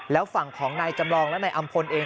แล้วฝั่งของนายจำลองและนายอำพลเอง